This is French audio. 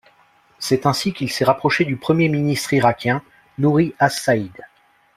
C'est ainsi qu'il s'est rapproché du premier ministre irakien, Nouri as-Said.